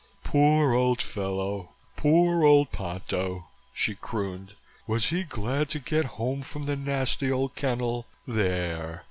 "Poor old fellow, poor old Ponto!" she crooned. "Was he glad to get home from the nasty old kennel? There!"